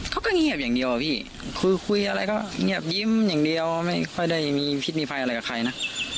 เขาก็เงียบอย่างเดียวอะพี่คุยคุยอะไรก็เงียบยิ้มอย่างเดียวไม่ค่อยได้มีพิษมีภัยอะไรกับใครนะ